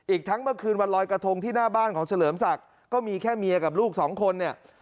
อีกทั้งเมื่อคืนวันลอยกระทงที่หน้าบ้านของเฉลิมศักดิ์ก็มีแค่เมียกับลูกสองคนเนี่ย